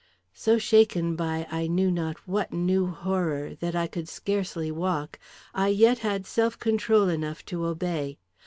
So shaken by I knew not what new horror that I could scarcely walk, I yet had self control enough to obey.